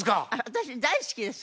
私大好きです